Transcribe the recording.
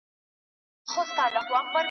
له شامته چی یې زرکي دام ته تللې .